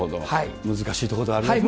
難しいところではありますね。